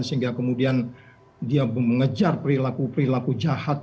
sehingga kemudian dia mengejar perilaku perilaku jahat